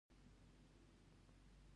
زموږ هېواد یوالي ته ضرورت لري.